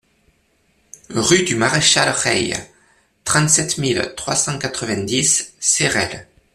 Rue du Maréchal Reille, trente-sept mille trois cent quatre-vingt-dix Cerelles